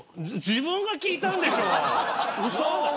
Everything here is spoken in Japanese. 自分が聞いたんでしょう。